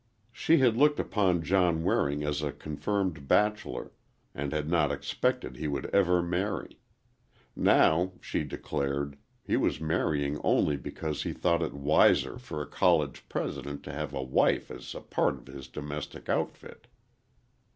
She had looked upon John Waring as a confirmed bachelor, and had not expected he would ever marry. Now, she declared, he was marrying only because he thought it wiser for a College President to have a wife as a part of his domestic outfit.